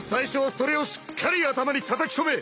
それをしっかり頭にたたき込め！